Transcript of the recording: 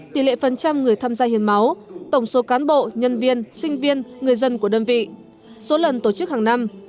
tỷ lệ phần trăm người tham gia hiến máu tổng số cán bộ nhân viên sinh viên người dân của đơn vị số lần tổ chức hàng năm